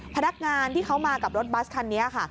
พนักงานที่เขามากับรถบัสคันนี้ค่ะ